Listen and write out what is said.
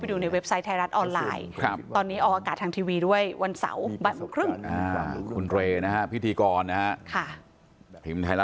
ยูทูปก็ได้ไทรัสออนไลน์ไทรัสทีวีได้หมดเลย